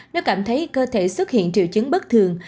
nếu cảm thấy cơ thể xuất hiện triệu chứng bất thường